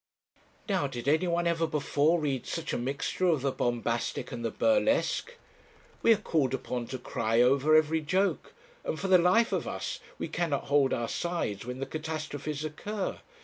'Now, did anyone ever before read such a mixture of the bombastic and the burlesque? We are called upon to cry over every joke, and, for the life of us, we cannot hold our sides when the catastrophes occur.